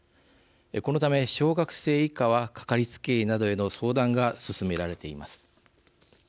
このため、小学生以下は掛かりつけ医などへの相談が勧められています。